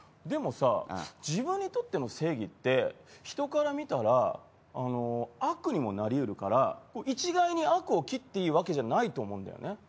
でもさ自分にとっての正義って人から見たらあの悪にもなりうるから一概に悪を斬っていいわけじゃないと思うんだよね。